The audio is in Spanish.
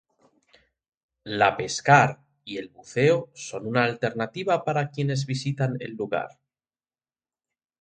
La pescar y el buceo son una alternativa para quienes visitan el lugar.